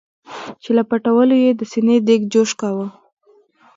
چې له پټولو یې د سینې دیګ جوش کاوه.